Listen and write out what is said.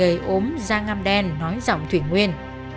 ở gầy ốm da ngam đen nói giọng thủy nguyên